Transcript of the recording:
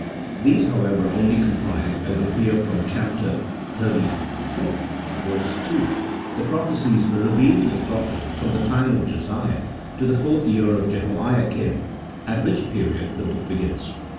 These, however, only comprise (as appears from chap, xxxvi. 2) the prophecies revealed to the prophet from the time of Josiah to the fourth year of Jehoiakim, at which period the book begins.